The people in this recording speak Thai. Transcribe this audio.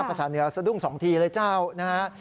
ภาษาเหนือสะดุ้ง๒ทีเลยเจ้านะฮะ